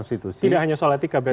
tidak hanya soal etika berarti